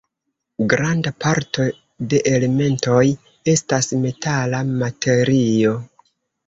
Granda parto de elementoj estas metala materio.